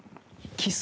キス？